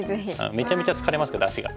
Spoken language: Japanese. めちゃくちゃ疲れますけど足が。